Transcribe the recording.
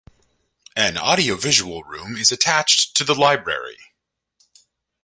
An "Audio Visual Room" is attached to the library.